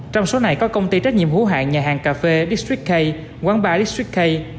trong số này có công ty trách nhiệm hữu hạng nhà hàng cà phê distric k quán bar distric k